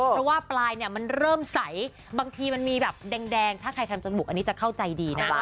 เพราะว่าปลายเนี่ยมันเริ่มใสบางทีมันมีแบบแดงถ้าใครทำจมูกอันนี้จะเข้าใจดีนะ